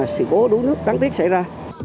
sự cố đu nước đáng tiếc xảy ra